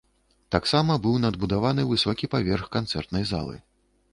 Таксама быў надбудаваны высокі паверх канцэртнай залы.